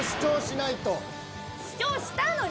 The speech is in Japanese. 主張したのに！